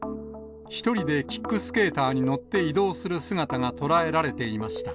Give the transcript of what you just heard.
１人でキックスケーターに乗って移動する姿が捉えられていました。